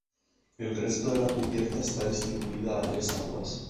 El resto de la cubierta está distribuida a tres aguas.